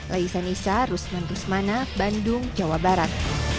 laisa nisa rusman rusmana bandung jawa barat